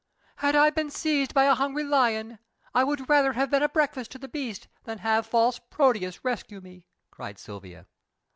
"Had I been seized by a hungry lion, I would rather have been a breakfast to the beast than have false Proteus rescue me!" cried Silvia.